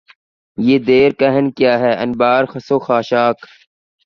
یہ دیر کہن کیا ہے انبار خس و خاشاک